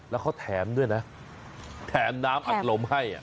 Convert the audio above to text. แล้วเขาแถมด้วยนะแถมน้ำอัดลมให้